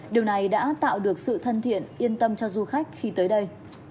điều này đã tạo được sự thân thiện yên tâm cho du khách khi tới đây